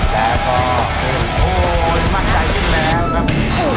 แต่พอโอ้โหมั่นใจขึ้นแล้วนะ